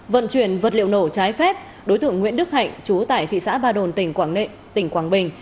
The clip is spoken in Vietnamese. vận chuyển vật liệu nổ trái phép đối tượng nguyễn đức hạnh chú tại thị xã ba đồn tỉnh quảng tỉnh quảng bình